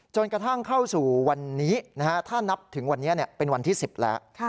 จนกระทั่งเข้าสู่วันนี้ถ้านับถึงวันนี้เป็นวันที่๑๐แล้ว